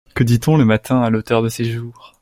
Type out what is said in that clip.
Que dit-on le matin à l’auteur de ses jours ?